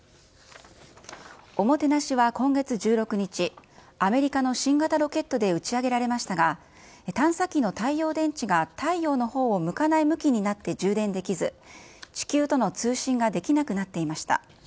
オモテナシは今月１６日、アメリカの新型ロケットで打ち上げられましたが、探査機の太陽電池が太陽のほうを向かない向きになって充電できず、地球との通信ができなくなっていました。